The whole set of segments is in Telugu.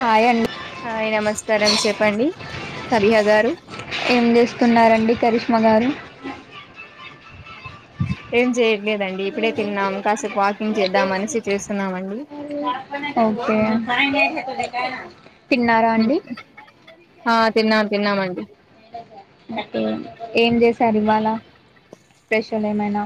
హాయ్ అండి హాయ్ నమస్కారం చెప్పండి సబిహా గారు ఏం చేస్తున్నారండి కరిష్మ గారు ఏం చేయట్లేదండి ఇప్పుడే తిన్నాం కాసేపు వాకింగ్ చేద్దాం మ నేసి చేస్తున్నాం అండి ఓకే తిన్నారా అండి ఆ తిన్నాను ఏం చేసారు ఇవాళ స్పెషల్ ఏమైనా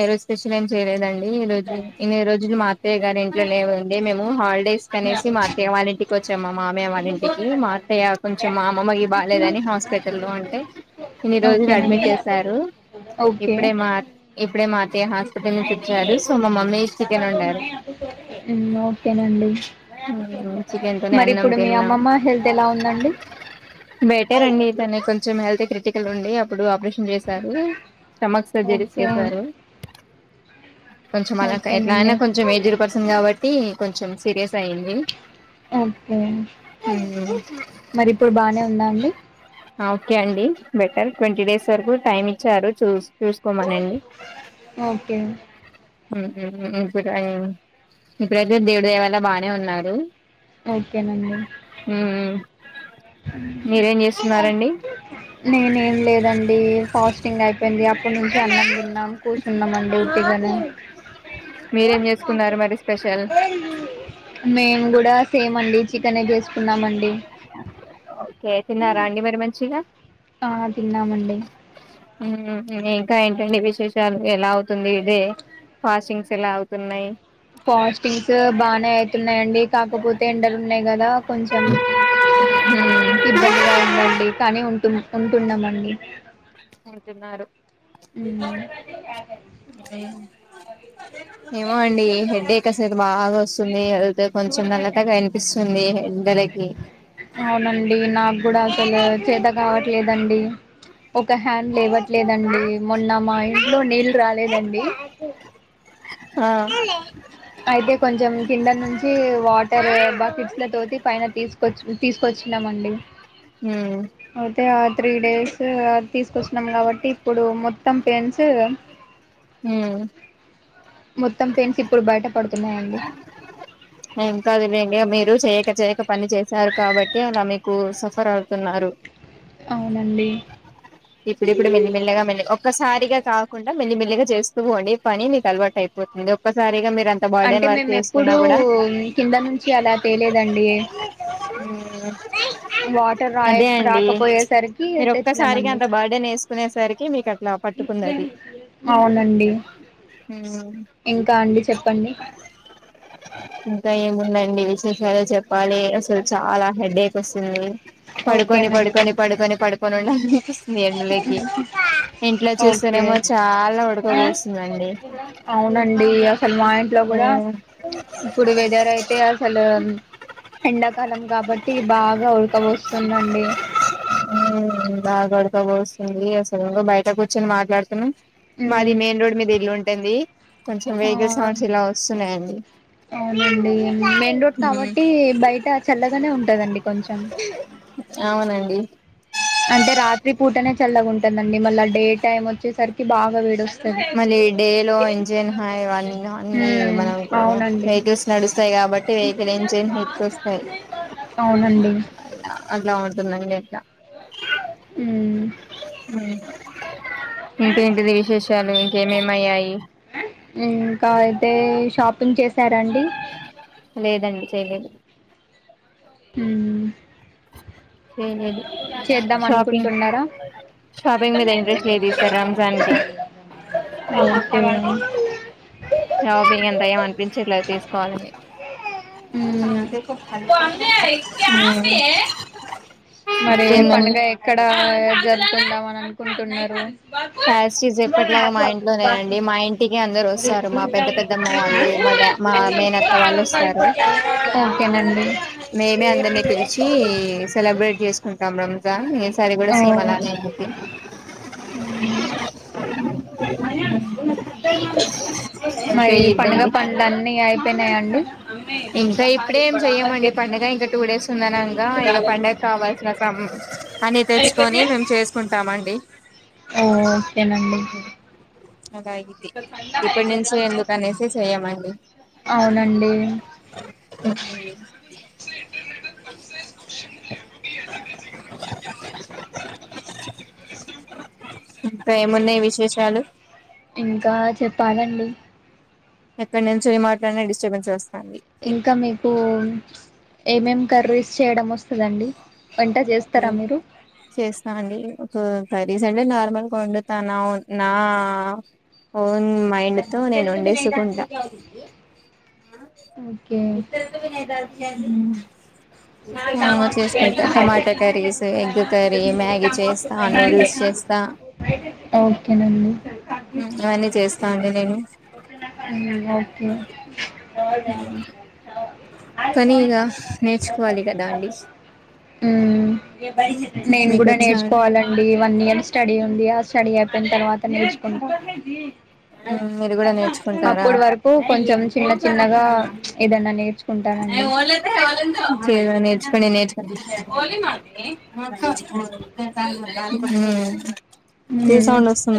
ఏ రోజు స్పెషల్ ఏం చేయలేదండి ఈ రోజు ఇన్ని రోజులు మాఅత్తయ్య గారి ఇంట్లో లేము అండి మేము హాలిడేస్ కనేసి మా అత్తయ్య వాళ్ళ ఇంటికి వచ్చ చ్చాము మామయ్య వాళ్ళ ఇంటికి మా అత్తయ్య కొంచెం మాఅమ్మమ్మకి బాలేదని హాస్పిట లో అంటే ఇన్ని రోజులు అడ్మిట్ ఓకేనండి చేశారు ఓకే ఇప్పుడే మా ఇప్పుడే మా అత్తయ్య హస్పటల్ అదిఇనిపించారు సో మా మమ్మీ చికెన్ వండారు ఉమ్, ఓకేనండి చికెన్ తోనే మరి అన్నం ఇప్పుడు మీ తిన్నాం అమ్మమ్మ హెల్త్ ఎలా ఉందండి బెటర్ అండి ఇతనికి కొంచెం హెల్త్ కి ఇక నుండి అప్పుడు ఆపరేషన్ చేశారు స్టమక్ సర్జరీస్ ఓకే చేసారు. కొంచెం మనకు ఎట్లా ఓకేనండి అయినా కొంచెం ఏజ్డ్ పర్సన్ కాబట్టి కొంచెం సీరియస్ అయ్యింది. మరి ఇప్పుడు బానే ఉందా అండి ఓకే అండి బెటర్ ట్వంటీ డేస్ వరకు టైమ్ ఇచ్చారు చూ చూసుకోమని ఓకె ఇప్పుడై ఇప్పుడైతే దేవుడి దేవాల బానే ఉన్నారు ఓకేనండి మీరేం చేస్తున్నారండి నేనెం లేదండి ఫాస్టింగ్ అయిపోయింది అ ఇప్పుడు నుంచి అన్నం తిన్నాం కూర్చున్నామండి పగానే మీరేం చేసుకున్నారు మరి స్పెషల్ మేమ్ గూడా సేమ్ అండి చికెనె చేసుకున్నామండి ఓకే తిన్నార అండి మరి మంచిగా ఆ తిన్నామండి ముహు ఇంకా ఏంటండి విశేషాలు ఎలా అవుతుంది డే ఫాషింగ్స్ ఇలా అవుతున్నాయి ఫాస్టింగ్స్ బానే అవుతున్నాయండి కాకపోతే ఎండలు ఉన్నాయి కదా కొంచెం ఇబ్బందిగా ఉందండి కాని ఉంటు ఉంటున్నామండి ఉంటున్నారు ఊహు ఏమో అండి ఇ హెడేక్ అసలు బాగా వస్తుంది హెల్త్ కొంచెం నల్లటగా అనిపిస్తుంది. బె ఎండరకి అవునండి నాకు కూడా అసలు చేత కావట్లేదండి ఒక హ్యాండ్ లేవట్లేదం మొన్న మా ఇంట్లో నీళ్ళు రాలేదండి హ్ ఆ అయితే కొంచెం కింద నుంచి వాటర్ బకిట్స్ తోటి పైన తీసుకొచ్చి తీసుకొచ్చినామండి హుమ్ అయితే ఆ త్రీ డేస్ తీసుకొచ్చినాం కాబట్టి ఇప్పుడు మొత్తం పెయిన్స్ ఉమ్ మొత్తం పెన్స్ ఇప్పుడు బయట పడుతున్నాయండి ఏం కాదు లేండి మీరు చేయక చేయక పని చేసారు కాబట్టి ఏ అన్న మీకు సఫర్ అవుతున్నారు అవునండి ఇప్పుడు ఇప్పుడు మెల్లిమెల్లగా మల్లి ఒక్కసారిగా కాకుండా మెల్లిమెల్లిగా చేస్తూ పోండి పని మీకు అలవాటు అయిపోతుంది ఒక్కసారిగా మీరు అంత అంటే బర్డెన్ వర్క్ మేము ఎప్పుడూ చేసుకున్నా కూడా కింద నుంచి అలా తేలేదండి మూ మూ వాటర్ రాయ అదే అండి రాకపోయేసరికి మీరు ఒక్కసారికి తెచ్చినామండి అంత బ బర్త్డేనేసుకునేసరికి మీకు అ అవునండి ఇంకా అండి చెప్పండి ఇంకా ఏముందండి విశేషాలు చెప్పాలి అసలు చాలా హెడేక్ వస్తుంది. పడుకొని ఓకేనండి పడుకొని పడుకొని పడుకొని ఉండాలి అనిపిస్తుంది ఎంలోకి ఇంట్లో ఓకే చూస్తేనేమో చాలా ఉడకబోస్తుందండి అండి అసలు మా ఇంట్లో కూడా ఇప్పుడు వెదర్ అయితే అసలు ఎండాకాలం కాబట్టి బాగా ఉడక బోస్తుందండి ఉ బాగా ఉడకబోస్తుంది అసలు బయట కూచ్చొని మాట్లాడుతున్నాం మాది ఉమ్ మెయిన్ రోడ్ మీద ఇల్లు ఉంటుంది కొంచెం ఆ వెహికల్ సౌండ్స్ ఇలా వస్తున్నాయండి అవునండి మెయిన్ రోడ్ కాబట్టి బయట చల్లగానే ఉంటదండి కొంచెం అ అ అంటే రాత్రి పూటనే చల్లగా ఉంటుందండి మళ్ళా డే టైమ్ వచ్చేసరికి బాగా వేడ మళ్ళీ డే లో ఇంజిన్ హావన్న అన్ని ఉమ్ మనకు అవునండి వెహికల్స్ నడుస్తాయి కాబట్టి వెహికల్ ఎంజన్ హిట్ వస్తాయి అవునండి అలా ఉ అండి అట్లా ఉమ్ ఇంకేంటిది విశేషాలు ఇంకేమేమయ్యాయి ఇంకా అతేే ఏం చేశారండి లేదండి చేయలేదు ఉమ్ చేయలేదు చేద్దాం షాపింగ్ అనుకుంటున్నారా ఇ షాపింగ్ మీద ఇంట్రెస్ట్ లేదు ఈసారి రంజాన్ కి నన్నటవేడి షాపింగ్ అంత ఏం అనిపించేట్లే తీసుకోవాలని మ్మ్ మరి ఇంకేందండి పడుగ ఎక్కడ జరుపుకుందాం అని అనుకుంటున్నారు యాసిటీస్ ఎప్పట్లాగా మా ఇంట్లోనేనండి మా ఇంటికి అందరు వస్తారు మా పెద్ద పెద్దమ్మ వాళ్ళు మా మా మేనత్త వాళ్ళు వస్తారు ఓకేనండి మేమే అందరినీ పిలిచి సెలబ్రేట్ చేసుకుంటాం రోంత ఈ సారి కూడా ఓ సేమ్ అలానే అ అ అంతే మరి పండుగ అయిద్దండి పన్లు అన్ని అయిపోయినాయిండి ఇంకా ఇప్పుడేం చెయ్యమండి పండగ ఇంకా టూ డేస్ ఉందనగా ఇక పండుగ కావాల్సిన అని తెచ్చుకొని మేము చేసుకుంటామండి ఓ ఓకేనండి అలా ఇది ఇప్పటి నుంచి ఎందుకు అనేసి చెయమండి అవునండి స బ ఇంకా ఏం ఉన్నాయి విష్ ఇంకా చెప్పాలండి ఎక్కడ నుంచి మాట్లాడినే డిస్టర్బెన్స్ వస్తాయి ఇంకా మీకు ఏమేం కర్రీస్ చేయడం వస్తుందండి చేస్తా అండి ఒక కర్రీస్ అంటే నార్మల్ గా వండుతనం నా ఓన్ మైండ్ తో నేను వండేసుకుంటా ఓకే మాగా చేసుకుంటా టమాటా కర్రీస్ ఎగ్ వస్తా ఓకేనండి ఇవన్నీ చేస్త ఒకే కానీగా నేర్చుకోవాలి కదా అండి నేను మీకు కూడా వచ్చా నేర్చుకోవాలండి వన్ ఇయర్ స్టడీ ఉంది అస సడి అయిపోయిన తర్వాత నేర్చుకుంటా మీరు కూడా నేర్చుకుంటారా అప్పుడు వరకు కొంచెం చిన్న చిన్నగా ఏదన్నా నేర్చుకుంటానండి నేర్చు ప నేచ అ రీసౌండ్ ఒస్తుందండి.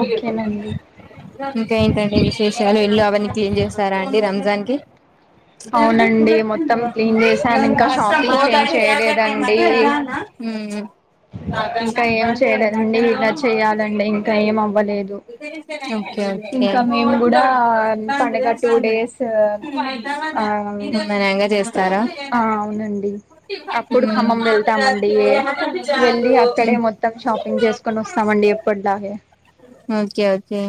ఓకేనండి ఇంకా ఏంటండి విశేషాలు ఇళ్ళు అవన్నీ క్లీన్ జేసారా అండి రంజాన్ కి. అవునండి మొత్తం క్లీన్ చేసాం ఇంకా ! షాపింగ్స్ ఏం భష చేయలేదండి మ్మ్మ్. ఇంకా ఏం చేయలేదండి ఇలా చేయాలండి ఇంకా ఏం అవ్వలేదు ఒకే. ఒకే. ఇంకా మేము కూడా పండగ టూ డేస్ ఆ నిమ్మళంగా జేస్తారా. !? ఆ అవునండి అప్పుడు ఖమ్మం వెళ్తామండి వెళ్ళి మ్మ్మ్మ్, అక్కడే ఊ. ఆగే. Okay okay.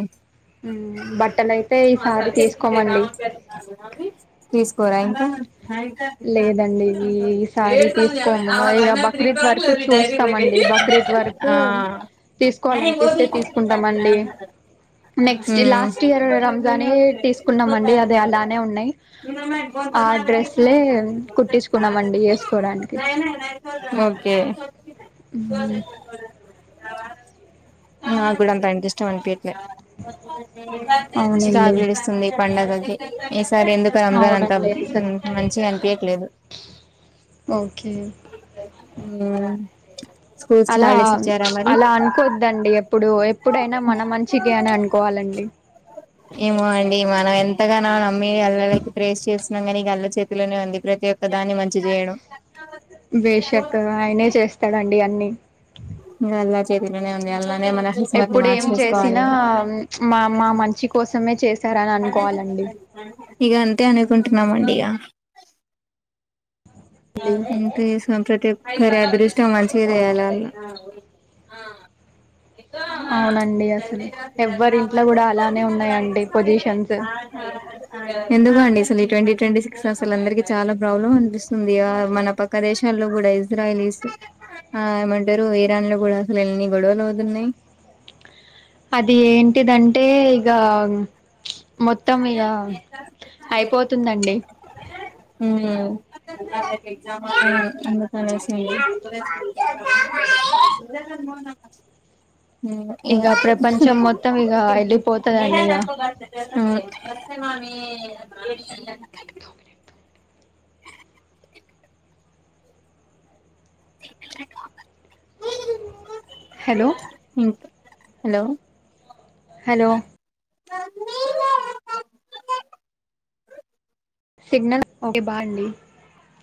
బట్టలు అయితే ఈసారి కా తీసుకోమండి తీస్కోరా ఇంకా.? లేదండి ఈసారి తీసుకోము ఇక బక్రీద్ వరకు చూస్తామండి బక్రీద్ వరకు ఆ. తీసుకోవాలనిపిస్తే తీసుకుంటామండి [unintelligible] నెక్స్ట్ ఊమ్మ్మ్మ్. లాస్ట్ ఇయర్ రంజానే తీసుకున్నామండి అది అలానే ఉన్నాయి ఆ డ్రెస్లే కుట్టించుకున్నామండి వేసుకోడానికి మ్మొ. ఓకే. ఊహు. నా గూడా అంతా అంతిష్టం అనిపిట్లే. అవునండి చికాగ్లేస్తుంది పండగకి, ఈసారి ఎందుకు రంజాన్ అంతాబ్. అవునండి ఊహు మంచిగానిపియట్లేదు. అవ్. ఊవ్వ్. అలా చ్చ్ అలా అన్కోద్దండి ఎప్పుడు, ఎప్పుడైనా మన మంచికె అని అన్. కోవాలండి. ఏ మనం ఎంతగానో నమ్మి అల్లలకి ప్రేస్ చేస్. నంగానీగల్లా చేతిలోనే ఉంది. ప్రతి ఒక్క దాన్ని మంచి జేయడం. బేషకగా ఆయనే చేస్తాడండి అన్ని. ఇగ అల్లా చేతిలోనే ఉంది అల్లానే మన కిస్మత్ ని ఎప్పుడు ఏం మార్చేసుకోవాలి చేసినా ఇగ ప్చ్ మా మా మన్. ఛి కోసమే చేశారననుకోవాలండి. ఇగ అంతే అనుకుంటున్నామండి ఇగ ఇంత జేసిన ప్రతిఒక్కరి అదృష్టం మంచిగా జేయాలన్న. ఆ ఇపా మా అవునండి అసలు ఎవ్వరి ఇంట్లో కూడా అలానే ఉన్నాయండి పొజిషన్స్ ఎన్. ఎందుకండి అసలు ఈ ట్వంటీ ట్వంటీ సిక్స్లో అసలు అందరికి చాలా ప్రాబ్లం అనిపిస్తుంది యా మన పక్క దేశ్. శంలో గూడా ఇజ్రాయిల్, ఇస్. ఆ ఏమంటారు ఇరాన్ లో గూడా రైతుడా అసలు ఎన్ని గొడవలు అవుతున్నాయి అది ఏంటిదంటే ఇగా. ఊహ్మ్. అయిపోతుందండి [unintelligible] అనుసింది. ఊ ఇక ఇగా. ప్రపంచం ఊ. మొత్తం ఇక వెళ్ళిపోతుందండి ఇక అ హలో. హలో. హలో. అ సిగ్నల్ [inaudible] బా అండి.